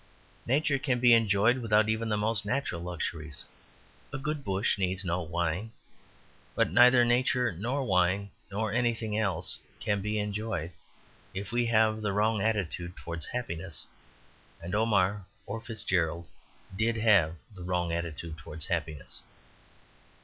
Nature can be enjoyed without even the most natural luxuries. A good bush needs no wine. But neither nature nor wine nor anything else can be enjoyed if we have the wrong attitude towards happiness, and Omar (or Fitzgerald) did have the wrong attitude towards happiness.